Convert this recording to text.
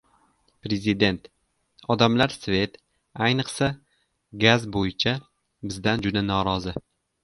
Prezident: odamlar svet, ayniqsa gaz bo‘yicha bizdan juda norozi